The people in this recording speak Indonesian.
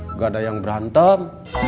nggak ada yang berantem